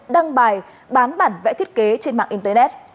đăng bài bán bản vẽ thiết kế trên mạng internet